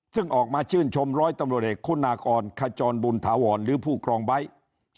ซึ่งออกมาชื่นชมร้อยตำรวจเอกคุณากรขจรบุญถาวรหรือผู้ครองไบท์